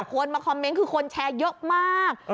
คนมาคอมเมนต์คือคนแชร์เยอะมาก